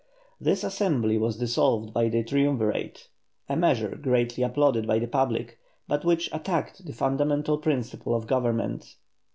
This Assembly was dissolved by the Triumvirate, a measure greatly applauded by the public, but which attacked the fundamental principle of government.